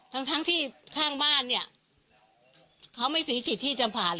ทั้งทั้งที่ข้างบ้านเนี้ยเขาไม่สนิทที่ที่จะผ่าน